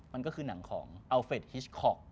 มันก็คือหนังของอัลเฟสฮิชคอก